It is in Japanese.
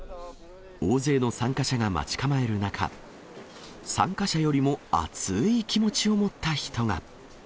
大勢の参加者が待ち構える中、参加者よりも熱い気持ちを持った人が。